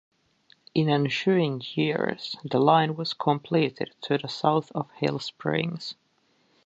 In ensuing years, the line was completed to the south of Hill Springs.